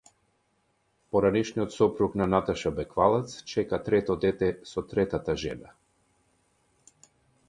Екс сопругот на Наташа Беквалац чека трето дете со третата жена